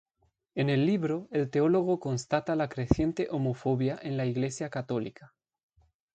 En el libro, el teólogo constata la creciente homofobia en la Iglesia católica.